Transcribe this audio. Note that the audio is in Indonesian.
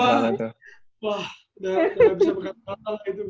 wah udah gak bisa berkata kata lah itu bu